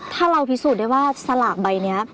ถ้าเราพิสูจน์ได้ว่าสลากใบนี้